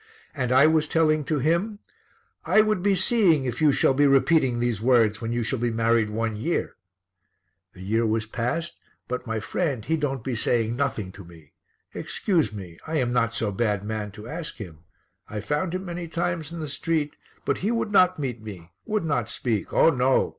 And I was telling to him, 'I would be seeing if you shall be repeating these words when you shall be married one year.' The year was passed but my friend he don't be saying nothing to me. Excuse me, I am not so bad man to ask him. I found him many times in the street, but he would not meet me, would not speak. Oh, no!